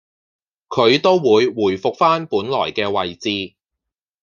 佢都會回復返本來嘅位置